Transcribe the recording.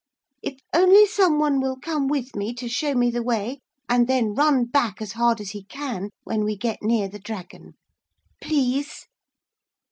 If only some one will come with me to show me the way and then run back as hard as he can when we get near the dragon. _Please!